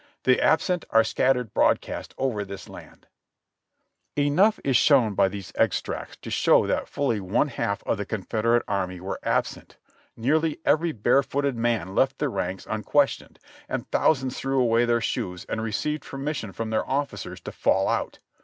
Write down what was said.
The absent are scattered broadcast over this land." (Reb. Records, Vol. 19, p. 622.) Enough is shown by these extracts to show that fully one half of the Confederate army were absent — nearly every barefooted man left the ranks unquestioned, and thousands threw away their shoes and received permission from their officers to fall out.